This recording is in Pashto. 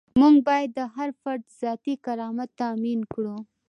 موږ باید د هر فرد ذاتي کرامت تامین کړو.